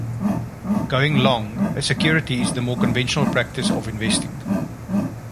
"Going long" a security is the more conventional practice of investing.